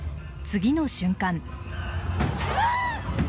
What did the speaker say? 次の瞬間。